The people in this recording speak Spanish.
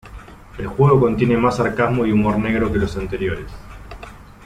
El juego contiene más sarcasmo y humor negro que los anteriores.